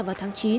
vào tháng chín